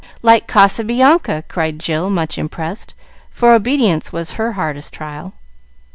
"Like Casabianca!" cried Jill, much impressed, for obedience was her hardest trial.